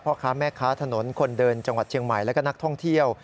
พ่อค้าแม่ค้าถนนคนเดินจังหวัดเชียงใหม่และก็นักท่องเที่ยว